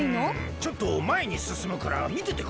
ちょっとまえにすすむからみててくれ！